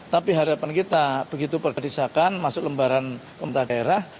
tapi harapan kita begitu pergedesakan masuk lembaran pemerintah daerah